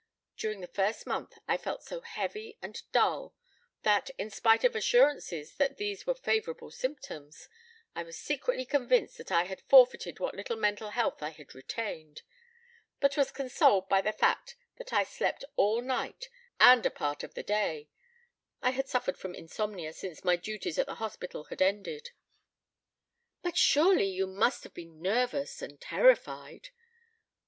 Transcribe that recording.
During the first month I felt so heavy and dull that, in spite of assurances that these were favorable symptoms, I was secretly convinced that I had forfeited what little mental health I had retained; but was consoled by the fact that I slept all night and a part of the day: I had suffered from insomnia since my duties at the hospital had ended " "But surely you must have been nervous and terrified?"